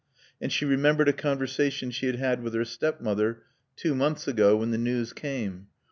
And she remembered a conversation she had had with her stepmother two months ago, when the news came.